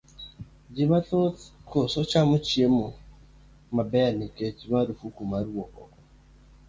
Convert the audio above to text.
Ji mathoth koso chamo chiemo maber nikech marufuk mar wuok oko.